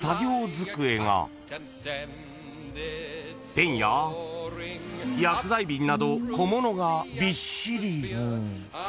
［ペンや薬剤瓶など小物がびっしり］